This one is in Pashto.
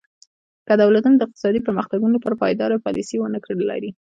که دولتونه د اقتصادي پرمختګ لپاره پایداره پالیسي ونه لري.